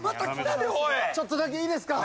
ちょっとだけいいですか？